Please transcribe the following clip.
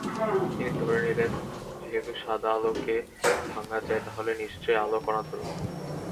তিনি ধরে নিলেন যেহেতু সাদা আলোকে ভাঙা যায়, তাহলে নিশ্চয় আলো কণাধর্মী।